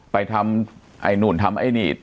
ไปทำไอ้นู่นทำไอ้นี่